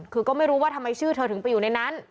คือก็ไม่รู้ว่าทำไมชื่อเธอถึงไปอยู่ในนั้น